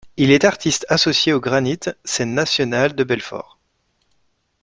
Il est artiste associé au Granit, Scène Nationale de Belfort.